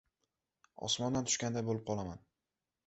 Osmondan tushganday bo‘lib qolaman.